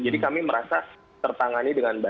jadi kami merasa tertangani dengan baik